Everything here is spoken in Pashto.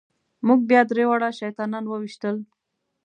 موږ بیا درې واړه شیطانان وويشتل.